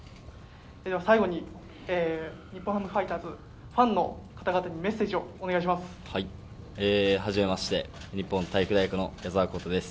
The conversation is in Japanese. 最後に、日本ハムファイターズファンの方々にメッセージをお願いいたします。